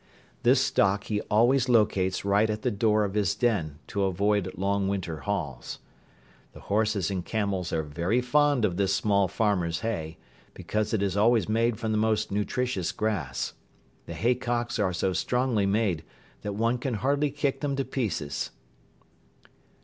This stock he always locates right at the door of his den to avoid long winter hauls. The horses and camels are very fond of this small farmer's hay, because it is always made from the most nutritious grass. The haycocks are so strongly made that one can hardly kick them to pieces.